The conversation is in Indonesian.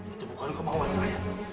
itu bukan kemauan saya